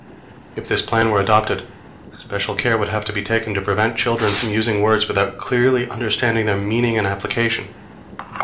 If this plan were adopted, special care would have to be taken to prevent children from using words without clearly understanding their meaning and application.